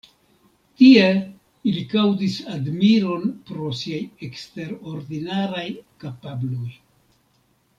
Tie, ili kaŭzis admiron pro siaj eksterordinaraj kapabloj.